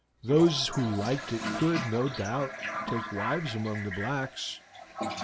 "Those who liked it could, no doubt, take wives among the blacks.